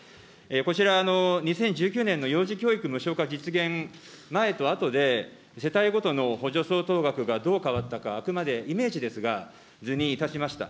こちら、２０１９年の幼児教育無償化実現前とあとで、世帯ごとの補助相当額がどう変わったか、あくまでイメージですが、図にいたしました。